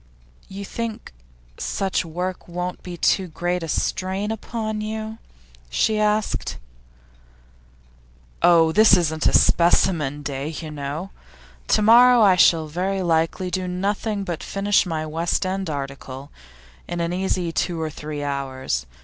'You think such work won't be too great a strain upon you?' she asked. 'Oh, this isn't a specimen day, you know. To morrow I shall very likely do nothing but finish my West End article, in an easy two or three hours.